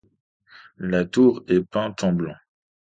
La tour est peinte en blanc.